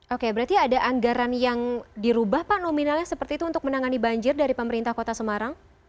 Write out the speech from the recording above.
oke berarti ada anggaran yang dirubah pak nominalnya seperti itu untuk menangani banjir dari pemerintah kota semarang